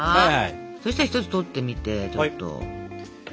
そしたら１つ取ってみてちょっと。